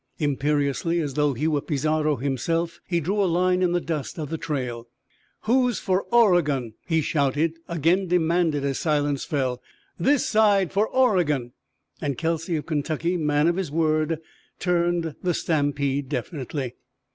Imperiously as though he were Pizarro's self, he drew a line in the dust of the trail. "Who's for Oregon?" he shouted; again demanded, as silence fell, "This side for Oregon!" And Kelsey of Kentucky, man of his word, turned the stampede definitely.